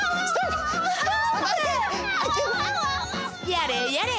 やれやれ。